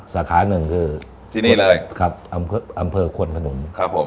สาขาหนึ่งคืออำเภอขวนผนุน